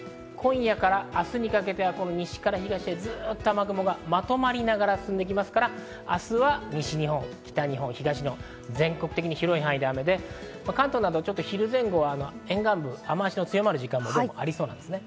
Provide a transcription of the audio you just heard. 今夜から明日にかけて、西から東へ雨雲がまとまりながら進んでいきますから、明日は全国的に広い範囲で雨で、関東などお昼前後は沿岸部、雨脚の強まる時間もありそうです。